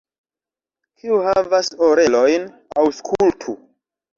Kiu havas orelojn, aŭskultu!